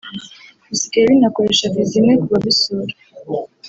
bisigaye binakoresha Viza imwe ku babisura